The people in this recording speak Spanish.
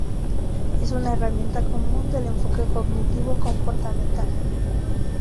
Es una herramienta común del enfoque cognitivo comportamental.